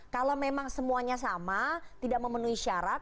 kalau memang semuanya sama tidak memenuhi syarat